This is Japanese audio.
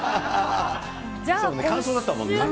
感想だったもんね。